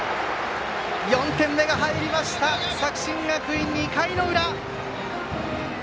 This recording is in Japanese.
４点目が入りました作新学院、２回の裏。